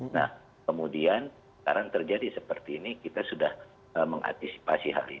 nah kemudian sekarang terjadi seperti ini kita sudah mengantisipasi hal ini